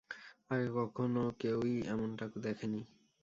আগে কখনও কেউই এমনটা দেখেনি!